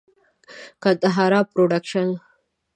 ګندهارا پروډکشن.